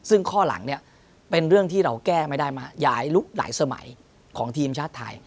ซึ่งข้อหลังเนี่ยเป็นเรื่องที่เราแก้ไม่ได้มาหลายลุคหลายสมัยของทีมชาติไทย